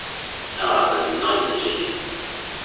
Aɣerbaz-nneɣ yezleg.